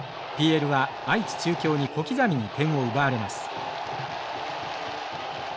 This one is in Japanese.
ＰＬは愛知中京に小刻みに点を奪われます。